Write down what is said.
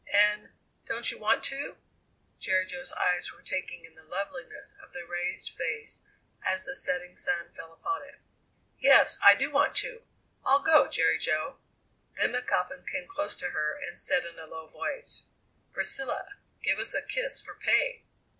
"And don't you want to?" Jerry Jo's eyes were taking in the loveliness of the raised face as the setting sun fell upon it. "Yes, I do want to! I'll go, Jerry Jo." Then McAlpin came close to her and said in a low voice: "Priscilla, give us a kiss for pay."